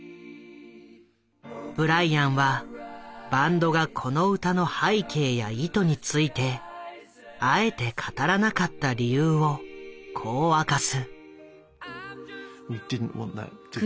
ブライアンはバンドがこの歌の背景や意図についてあえて語らなかった理由をこう明かす。